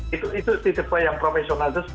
itu tidak banyak yang profesional